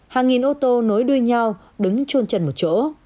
hàng nghìn ô tô nối đuôi nhau đứng trôn trần một chỗ